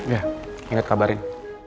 ya inget kabarin